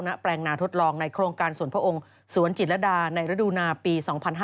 แปลงนาทดลองในโครงการสวนพระองค์สวนจิตรดาในฤดูนาปี๒๕๕๙